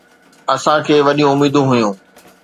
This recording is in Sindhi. اسان کي وڏيون اميدون هيون